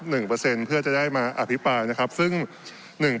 เปอร์เซ็นต์เพื่อจะได้มาอภิปรายนะครับซึ่งหนึ่ง